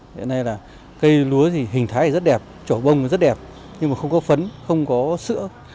hiện nay là cây lúa thì hình thái thì rất đẹp trổ bông rất đẹp nhưng mà không có phấn không có sữa